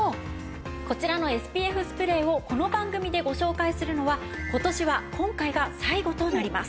こちらのＳＰＦスプレーをこの番組でご紹介するのは今年は今回が最後となります。